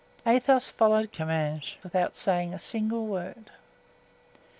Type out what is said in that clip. Athos followed Comminges without saying a single word.